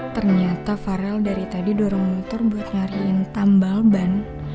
ternyata farel dari tadi dorong motor buat nyariin tambal ban